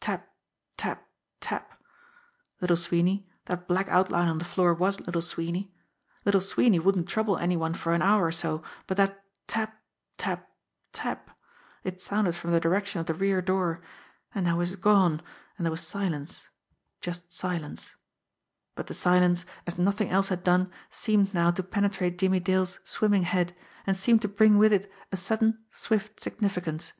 Tap, tap, tap! Little Sweeney that black outline on the floor was Little Sweeney Little Sweeney wouldn't trouble any one for an hour or so but that tap, tap, tap it sounded from the direction of the rear door. And now it was gone, and there was silence just silence. 70 JIMMIE DALE AND THE PHANTOM CLUE But the silence, as nothing else had done, seemed now to penetrate Jimmie Dale's swimming head, and seemed to bring with it a sudden, swift significance.